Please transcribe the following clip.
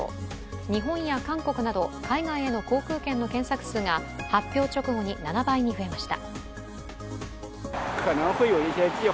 日本や韓国など海外への航空券の検索数が発表直後に７倍に増えました。